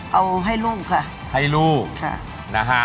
เอาให้ลูกค่ะ